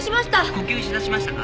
呼吸しだしましたか？